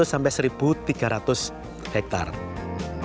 dua ratus sampai satu tiga ratus hektare